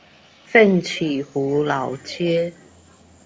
奮起湖老街